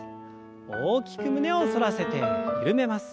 大きく胸を反らせて緩めます。